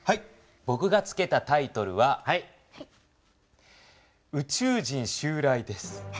ぼくが付けたタイトルは「宇宙人襲来」です。